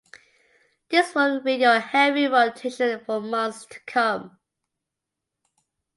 This one will be in your heavy rotation for months to come.